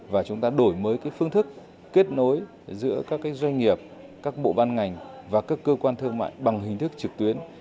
và chúng ta đổi mới phương thức kết nối giữa các doanh nghiệp các bộ ban ngành và các cơ quan thương mại bằng hình thức trực tuyến